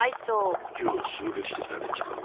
今日襲撃してきた連中か？